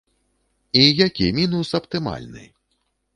І які мінус аптымальны?